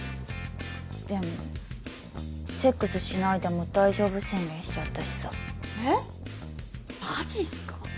でもセックスしないでも大丈夫宣言しちゃったしさえっマジっすか？